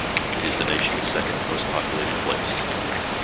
It is the nation's second most populated place.